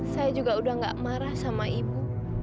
saya juga udah gak marah sama ibu